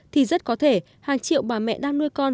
thì rất có thể hàng triệu bà mẹ đang nuôi con